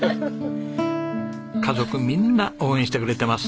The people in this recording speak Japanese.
家族みんな応援してくれてます。